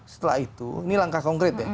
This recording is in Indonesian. setelah itu ini langkah konkret ya